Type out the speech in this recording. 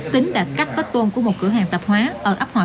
tính đã cắt vết tôn của một cửa hàng tạp hóa